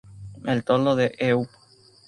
El toldo del e-up!